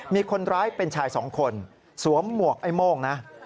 มีคนร้ายเป็นชายสองคนสวมหมวกไอ้โม่งนะ